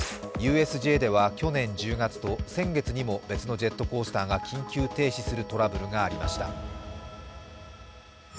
ＵＳＪでは去年１０月と先月にも別のジェットコースターが緊急停止するトラブルがありました。